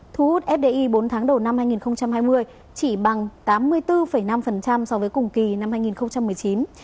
thu hút fdi bốn tháng đầu năm hai nghìn hai mươi chỉ bằng tám mươi bốn năm so với cùng kỳ năm hai nghìn một mươi chín